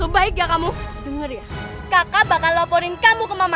baik ya kamu denger ya kakak bakal laporin kamu ke mama mama